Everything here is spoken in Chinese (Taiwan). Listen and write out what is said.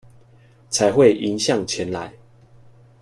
才會迎向前來